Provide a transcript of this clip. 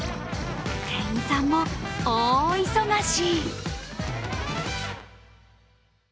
店員さんも大忙し。